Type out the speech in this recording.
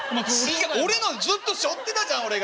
俺のずっとしょってたじゃん俺が。